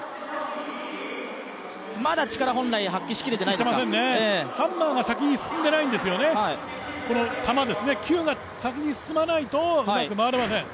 まだ力、本来、発揮しきれてないですか。してませんね、ハンマーが先に進んでないんですよね、球が先に進まないと、うまく回りません。